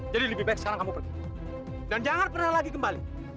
jadi lebih baik sekarang kamu pergi dan jangan pernah lagi kembali